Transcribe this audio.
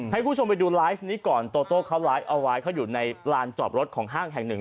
ให้คุณผู้ชมไปดูไลฟ์นี้ก่อนโตโต้เขาไลฟ์เอาไว้เขาอยู่ในลานจอดรถของห้างแห่งหนึ่ง